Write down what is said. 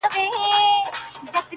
زه خپله مينه د آسمان و کنگرو ته سپارم!!